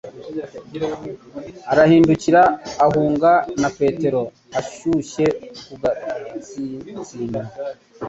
Arahindukira, ahunga na Petero ashyushye ku gatsinsino